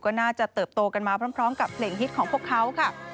ก็น่าจะเติบโตกันมาพร้อมกับเพลงฮิตของพวกเขาค่ะ